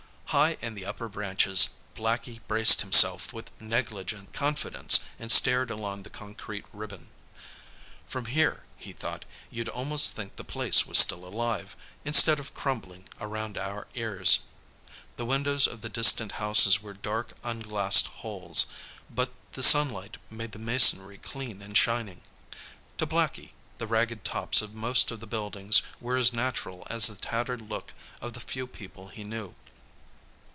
High in the upper branches, Blackie braced himself with negligent confidence and stared along the concrete ribbon. From here, he thought, you'd almost think the place was still alive, instead of crumbling around our ears. The windows of the distant houses were dark, unglassed holes, but the sunlight made the masonry clean and shining. To Blackie, the ragged tops of most of the buildings were as natural as the tattered look of the few people he knew.